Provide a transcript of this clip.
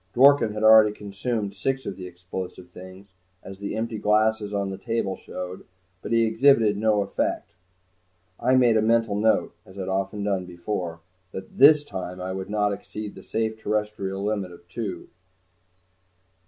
Dworken had already consumed six of the explosive things, as the empty glasses on the table showed, but he exhibited no effects. I made a mental note, as I'd so often done before, that this time I would not exceed the safe terrestrial limit of two.